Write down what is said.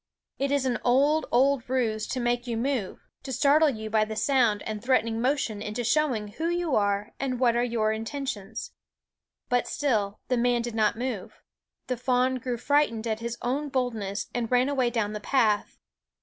It is an old, old ruse to make you move, to startle you by the sound and threatening motion into showing who you are and what are your intentions. But still the man did not move; the fawn grew frightened at his own boldness and ran away down the path.